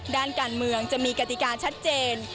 ด้านการเมืองจะมีกติกาชัดเจน